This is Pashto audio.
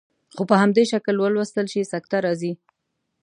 خو په همدې شکل ولوستل شي سکته راځي.